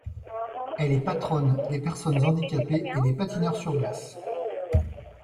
Elle est patronne des personnes handicapées et des patineurs sur glace.